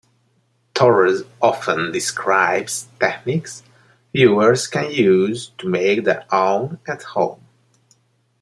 Torres often describes techniques viewers can use to make their own at home.